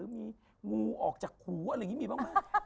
มีมูบิดออกจากหูอะไรอย่างงี้มีบ้างมั้ย